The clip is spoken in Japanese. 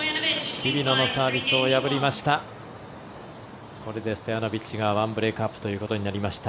日比野のサービスを破りました。